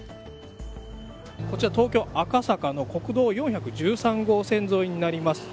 こちら東京、赤坂の国道４１３号線沿いになります。